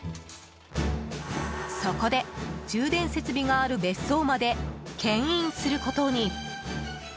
そこで、充電設備がある別荘まで牽引することに。